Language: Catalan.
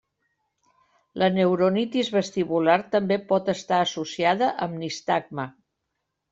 La neuronitis vestibular també pot estar associada amb nistagme.